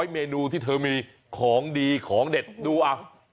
เมนูที่เธอมีของดีของเด็ดดู